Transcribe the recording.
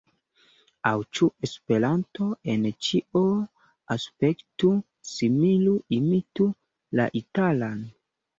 Aŭ ĉu Esperanto en ĉio aspektu, similu, imitu la italan?